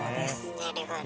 なるほど。